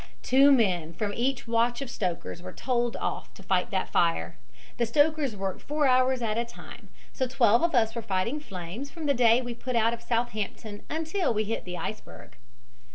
"Two men from each watch of stokers were tolled off, to fight that fire. The stokers worked four hours at a time, so twelve of us were fighting flames from the day we put out of Southampton until we hit the iceberg.